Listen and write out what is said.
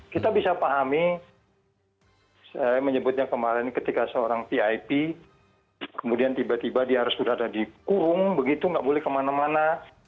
kita bisa pahami saya menyebutnya kemarin ketika seorang vip kemudian tiba tiba dia harus berada di kurung begitu nggak boleh kemana mana